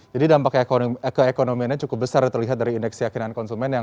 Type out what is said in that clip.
jadi dampak keekonomiannya cukup besar terlihat dari indeks keyakinan konsumen yang